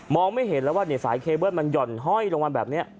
ไม่เห็นแล้วว่าสายเคเบิ้ลมันหย่อนห้อยลงมาแบบนี้